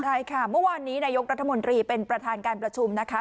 ใช่ค่ะเมื่อวานนี้นายกรัฐมนตรีเป็นประธานการประชุมนะคะ